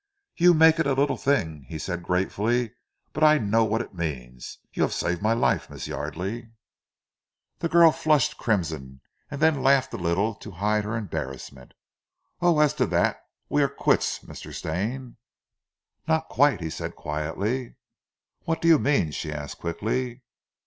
"You make it a little thing," he said gratefully, "but I know what it means. You have saved my life, Miss Yardely." The girl flushed crimson, and then laughed a little to hide her embarrassment. "Oh, as to that we are quits, Mr. Stane." "Not quite," he said quietly. "What do you mean?" she asked quickly.